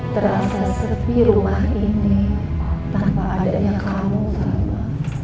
terasa sepi rumah ini tanpa adanya kamu sama